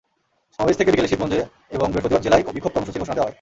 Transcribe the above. সমাবেশ থেকে বিকেলে শিবগঞ্জে এবং বৃহস্পতিবার জেলায় বিক্ষোভ কর্মসূচির ঘোষণা দেওয়া হয়।